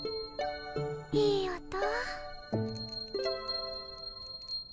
いい音。